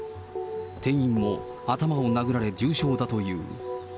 店員も頭を殴られ重傷だという。